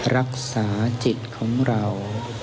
รักษาจิตของเรา